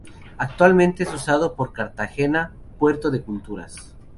Actualmente es usado por Cartagena Puerto de Culturas.